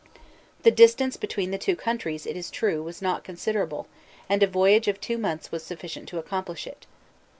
The distance between the two countries, it is true, was not considerable, and a voyage of two months was sufficient to accomplish it.